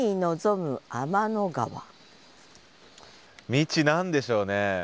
「未知」何でしょうね？